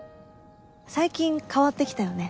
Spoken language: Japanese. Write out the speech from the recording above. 最近変わってきたよね